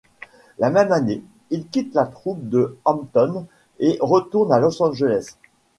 La même année, il quitte la troupe de Hampton et retourne à Los Angeles.